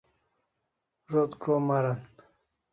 Zo't krom aran